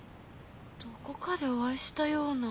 どこかでお会いしたような。